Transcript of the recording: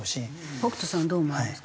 北斗さんどう思われますか？